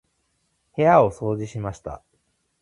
部屋を掃除しました。